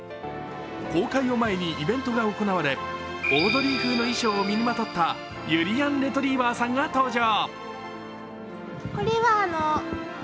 公開を前にイベントが行われ、オードリー風の衣装を身にまとったゆりやんレトリィバァさんが登場。